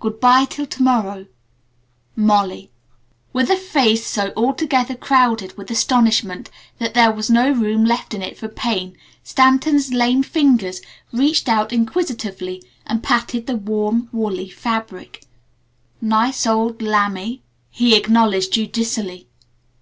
"Goodby till to morrow, "MOLLY." With a face so altogether crowded with astonishment that there was no room left in it for pain, Stanton's lame fingers reached out inquisitively and patted the warm, woolly fabric. "Nice old Lamb y" he acknowledged judicially.